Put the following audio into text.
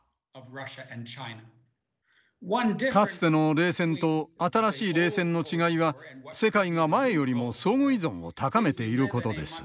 かつての冷戦と新しい冷戦の違いは世界が前よりも相互依存を高めていることです。